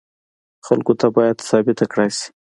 خلکو ته باید ثابته کړای شي.